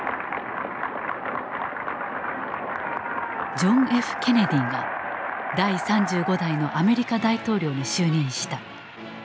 ジョン・Ｆ・ケネディが第３５代のアメリカ大統領に就任した。